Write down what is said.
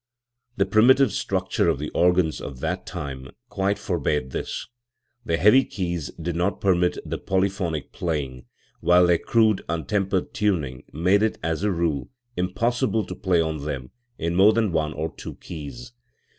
The primitive structure of the organs of that time quite forbade this; their heavy keys did not permit of polyphonic playing, while their crude, untempered tuning made it as a rule impossible to play on them in more than one or two keys.